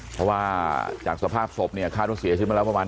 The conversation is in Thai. เพราะว่าจากสภาพศพเนี่ยข้าต้องเสียชีวิตมาแล้ว